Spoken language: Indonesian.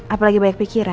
apalagi biayak pikiran